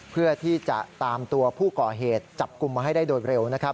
เพื่อที่จะตามตัวผู้ก่อเหตุจับกลุ่มมาให้ได้โดยเร็วนะครับ